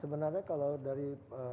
sebenarnya kalau dari